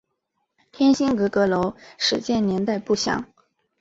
天心阁阁楼始建年代不详。